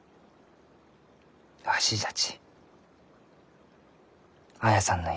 わしじゃち綾さんの夢